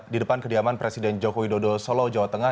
di depan kediaman presiden joko widodo solo jawa tengah